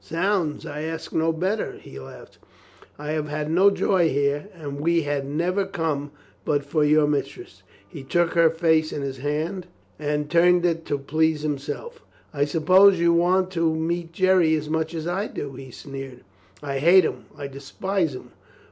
"Zounds, I ask no better," he laughed. "I have had no joy here, and we had never come but for you, mistress." He took her face in his hand and 324 COLONEL GREATHEART turned it to please himself. "I suppose you want to meet Jerry as much as I do," he sneered. "I hate him! I despise him!"